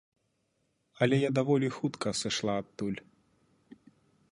Але я даволі хутка сышла адтуль.